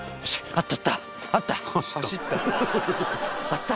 あった！